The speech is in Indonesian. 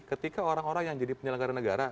ketika orang orang yang jadi penyelenggara negara